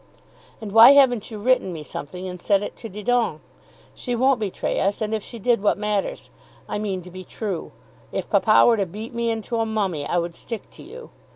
And why haven't you written me something and sent it to Didon? She won't betray us. And if she did, what matters? I mean to be true. If papa were to beat me into a mummy I would stick to you.